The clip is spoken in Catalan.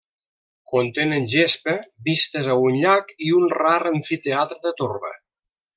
Contenen gespa, vistes a un llac i un rar amfiteatre de torba.